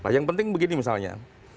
yang penting begini misalnya